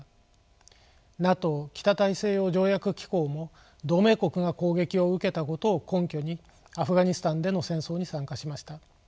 ＮＡＴＯ北大西洋条約機構も同盟国が攻撃を受けたことを根拠にアフガニスタンでの戦争に参加しました。